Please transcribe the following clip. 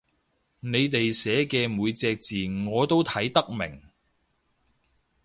你哋寫嘅每隻字我都睇得明